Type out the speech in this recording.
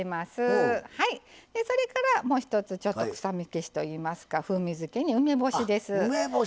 それから、もう一つ臭み消しといいますか風味付けに梅干しです。